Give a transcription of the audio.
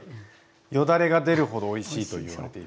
よだれが出るほどおいしいと言われている。